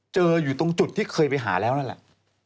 อยู่ตรงจุดที่เคยไปหาแล้วนั่นแหละ